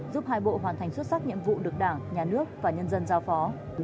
giúp hai bộ hoàn thành xuất sắc nhiệm vụ được đảng nhà nước và nhân dân giao phó